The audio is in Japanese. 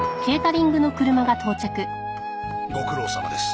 ご苦労さまです。